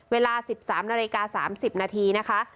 เวลา๑๓นาฬิกา๓๐นาทีนะคะ